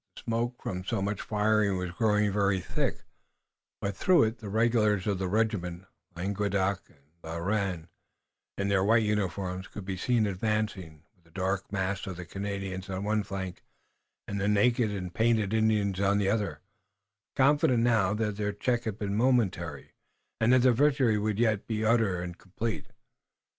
The smoke from so much firing was growing very thick, but through it the regulars of the regiments, Languedoc and La Reine, in their white uniforms, could be seen advancing, with the dark mass of the Canadians on one flank and the naked and painted Indians on the other, confident now that their check had been but momentary, and that the victory would yet be utter and complete.